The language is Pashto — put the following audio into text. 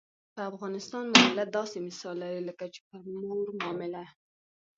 په افغانستان معامله داسې مثال لري لکه چې پر مور معامله.